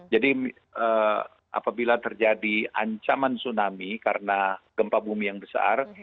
jadi apabila terjadi ancaman tsunami karena gempa bumi yang besar